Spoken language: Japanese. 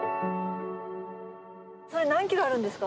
それ、何キロあるんですか？